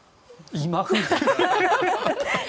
今風。